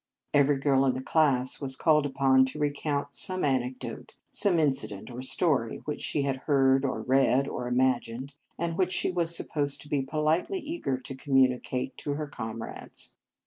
Every girl in the class was called upon to recount some anec dote, some incident or story which she had heard, or read, or imagined, and which she was supposed to be politely eager to communicate to her comrades.